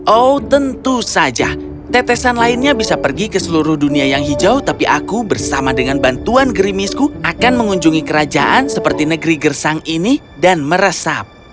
oh tentu saja tetesan lainnya bisa pergi ke seluruh dunia yang hijau tapi aku bersama dengan bantuan gerimisku akan mengunjungi kerajaan seperti negeri gersang ini dan meresap